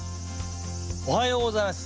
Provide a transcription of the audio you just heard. おはようございます。